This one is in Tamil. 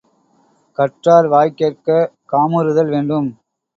கற்றார் வாய் கேட்கக் காமுறுதல் வேண்டும்.